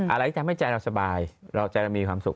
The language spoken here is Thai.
อะไรที่ทำให้ใจเราสบายเราใจเรามีความสุข